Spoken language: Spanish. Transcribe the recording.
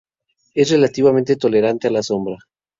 Es relativamente tolerante a la sombra.